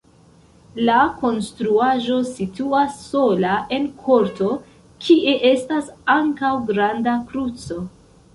La konstruaĵo situas sola en korto, kie estas ankaŭ granda kruco.